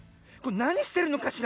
なにしてるのかしら。